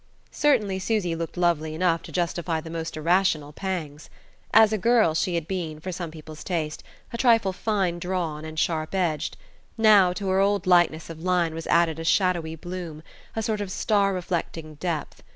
Certainly Susy looked lovely enough to justify the most irrational pangs. As a girl she had been, for some people's taste, a trifle fine drawn and sharp edged; now, to her old lightness of line was added a shadowy bloom, a sort of star reflecting depth.